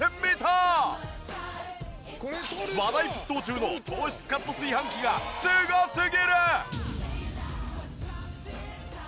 話題沸騰中の糖質カット炊飯器がすごすぎる！